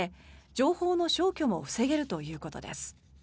情報の消去も防げるということです。